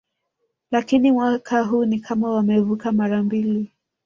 Lakini mwaka huu ni kama wamevuka mara mbili